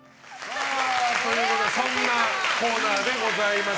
そんなコーナーでございます。